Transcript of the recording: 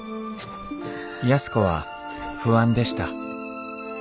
安子は不安でした。